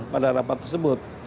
pada rapat tersebut